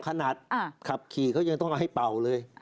ขนาดขับขี่เขายังต้องเอาให้เป่าเลย